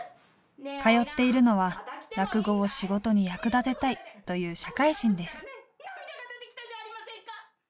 通っているのは落語を仕事に役立てたいという社会人です。